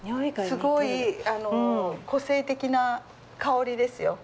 すごい個性的な香りですよ。